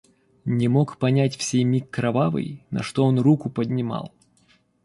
Не мог понять в сей миг кровавый, На что он руку поднимал!..